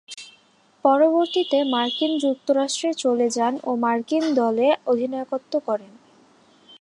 পরবর্তীতে মার্কিন যুক্তরাষ্ট্রে চলে যান ও মার্কিন দলে অধিনায়কত্ব করেন।